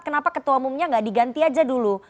kenapa ketua umumnya tidak diganti saja dulu